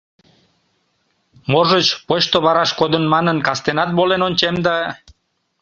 Можыч, почто вараш кодын манын, кастенат волен ончем да...